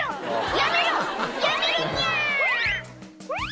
やめろ！」